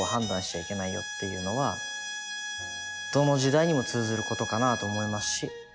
どの時代にも通ずることかなと思いますし。